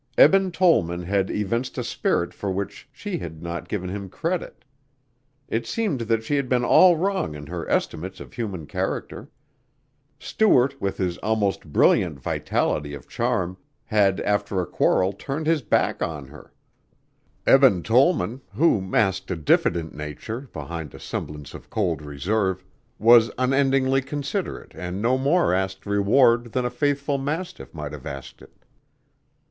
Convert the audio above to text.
Eben Tollman had evinced a spirit for which she had not given him credit. It seemed that she had been all wrong in her estimates of human character. Stuart, with his almost brilliant vitality of charm, had after a quarrel turned his back on her. Eben Tollman, who masked a diffident nature behind a semblance of cold reserve, was unendingly considerate and no more asked reward than a faithful mastiff might have asked it.